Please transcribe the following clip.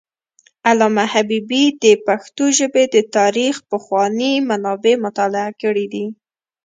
علامه حبیبي د پښتو ژبې د تاریخ پخواني منابع مطالعه کړي دي.